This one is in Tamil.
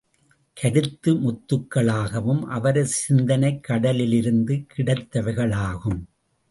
கருத்து முத்துகளாகவும் அவரது சிந்தனைக் கடலிலிருந்து கிடைத்தவைகளாகும்!